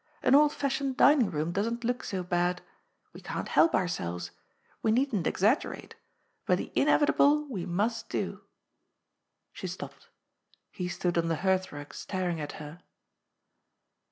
An old fashioned dining room doesn't look so bad. We can't help ourselves. We needn't ex aggerate. But the inevitable we must do." She stopped. He stood on the hearthrug staring at her.